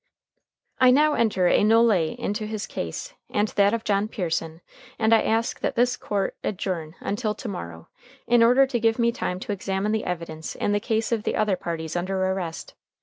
I now enter a nolle in his case and that of John Pearson, and I ask that this court adjourn until to morrow, in order to give me time to examine the evidence in the case of the other parties under arrest.